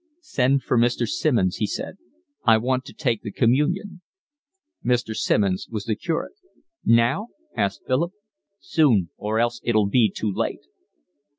"Send for Mr. Simmonds," he said. "I want to take the Communion." Mr. Simmonds was the curate. "Now?" asked Philip. "Soon, or else it'll be too late."